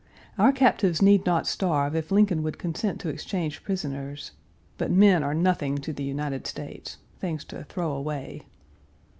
Our captives need not starve if Lincoln would consent to exchange prisoners; but men are nothing to the United States things to throw away.